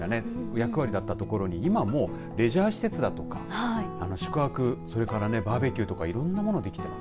役割だったところに今もうレジャー施設だとか宿泊、それからバーベキューとかいろんなものできています。